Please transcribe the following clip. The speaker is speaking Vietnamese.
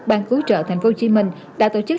ban cứu trợ tp hcm đã tổ chức